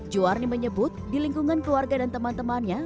juwarni menyebut di lingkungan keluarga dan teman temannya